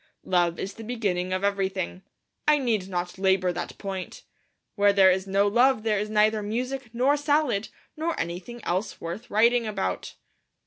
Love is the beginning of everything; I need not labour that point. Where there is no love there is neither music nor salad, nor anything else worth writing about.